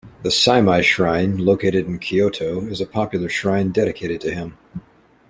The Seimei Shrine, located in Kyoto, is a popular shrine dedicated to him.